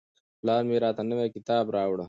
پلار مې راته نوی کتاب راوړ.